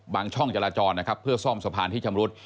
ช่องจราจรนะครับเพื่อซ่อมสะพานที่ชำรุด